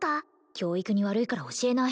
教育に悪いから教えない